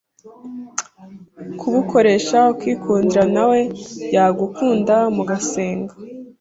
kubukoresha ukikundira nawe yagukunda mugasenga